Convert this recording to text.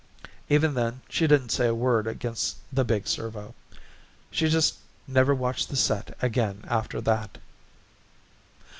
Even then she didn't say a word against the big servo; she just never watched the set again after that.